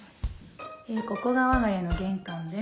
ここが我が家の玄関です。